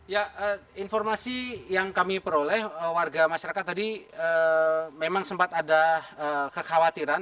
ya informasi yang kami peroleh warga masyarakat tadi memang sempat ada kekhawatiran